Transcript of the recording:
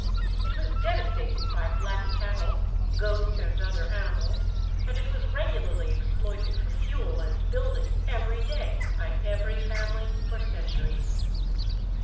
It was devastated by black cattle, goats, and other animals, and it was regularly exploited for fuel and building every day by every family for centuries.